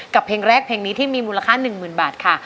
เพลงแรกเพลงนี้ที่มีมูลค่า๑๐๐๐บาทค่ะ